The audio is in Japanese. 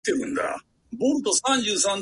あいうえおから始まります